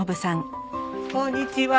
こんにちは。